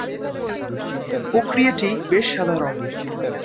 প্রক্রিয়াটি বেশ সাধারণ।